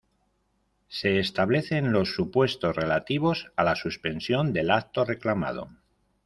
Se establecen los supuestos relativos a la suspensión del acto reclamado.